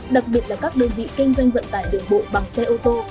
đặc biệt là các đơn vị kinh doanh vận tải đường bộ bằng xe ô tô